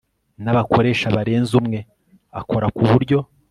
n abakoresha barenze umwe akora ku buryo